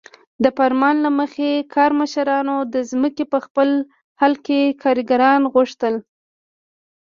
د فرمان له مخې کارمشرانو د ځمکې په خپل محل کې کارګران غوښتل.